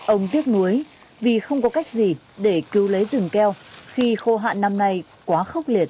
ông tiếc nuối vì không có cách gì để cứu lấy rừng keo khi khô hạn năm nay quá khốc liệt